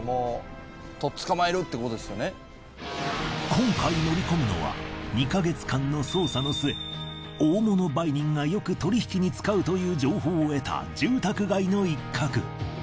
今回乗り込むのは２か月間の捜査の末大物売人がよく取引に使うという情報を得た住宅街の一画。